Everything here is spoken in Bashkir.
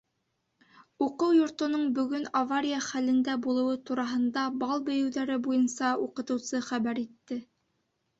Уҡыу йортоноң бөгөн авария хәлендә булыуы тураһында бал бейеүҙәре буйынса уҡытыусы хәбәр итте.